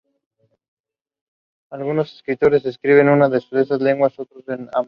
Algunos escritores escriben en una de esas lenguas, otros en ambas.